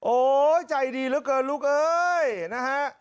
โอ้ยใจดีเหลือเกินลูกเอ้ยนะฮะ